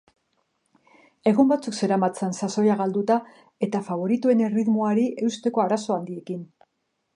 Egun batzuk zeramatzan sasoia galduta eta faboritoen erritmoari eusteko arazo handiekin.